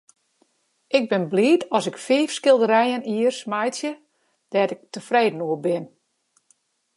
Ik bin bliid as ik fiif skilderijen jiers meitsje dêr't ik tefreden oer bin.